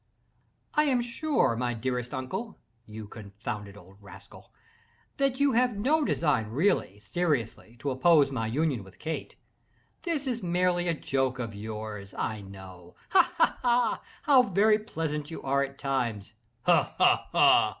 "I am sure, my dearest uncle (you confounded old rascal!), that you have no design really, seriously, to oppose my union with Kate. This is merely a joke of yours, I know—ha! ha! ha!—how very pleasant you are at times." "Ha! ha! ha!"